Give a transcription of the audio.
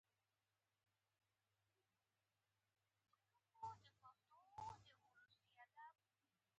نجونې به تر هغه وخته پورې د عدالت په لټه کې وي.